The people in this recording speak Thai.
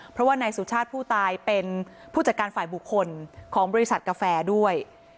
เพราะว่านายสุชาติผู้ตายเป็นผู้จัดการฝ่ายบุคคลของบริษัทกาแฟด้วย